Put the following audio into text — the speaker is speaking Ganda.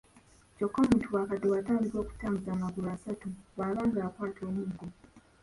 Kyokka omuntu bw'akaddiwa atandika okutambuza amagulu asatu bw'aba ng'akwata omuggo.